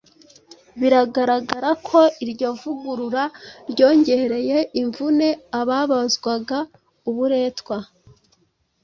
Biragaragara ko iryo vugurura ryongereye imvune ababazwaga uburetwa.